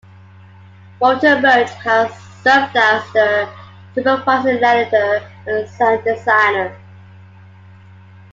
Walter Murch served as the supervising editor and sound designer.